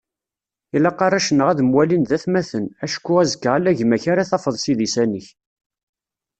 Ilaq arrac-nneɣ ad mwalin d atmaten, acku azekka ala gma-k ara tafeḍ s idisan-ik